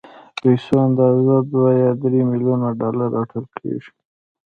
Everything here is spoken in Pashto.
د پيسو اندازه دوه يا درې ميليونه ډالر اټکل کېږي.